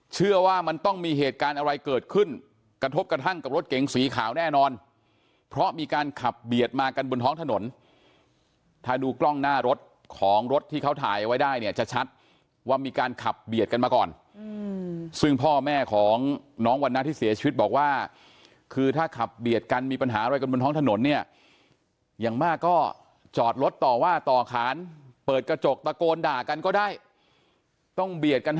เชื่อว่ามันต้องมีเหตุการณ์อะไรเกิดขึ้นกระทบกระทั่งกับรถเก๋งสีขาวแน่นอนเพราะมีการขับเบียดมากันบนห้องถนนถ้าดูกล้องหน้ารถของรถที่เขาถ่ายไว้ได้เนี่ยจะชัดว่ามีการขับเบียดกันมาก่อนซึ่งพ่อแม่ของน้องวันน่าที่เสียชีวิตบอกว่าคือถ้าขับเบียดกันมีปัญหาอะไรกันบนห้องถนนเนี่ยอย่าง